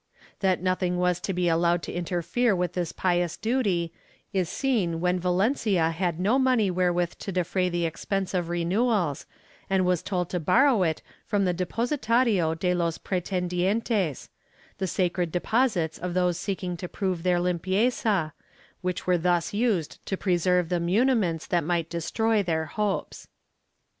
^ That nothing was to be allowed to interfere with this pious duty is seen when Valencia had no money where with to defray the expense of renewals and was told to borrow it from the Depositario de los pretendientes — the sacred deposits of those seeking to prove their limpieza, which were thus used to preserve the muniments that might destroy their hopes.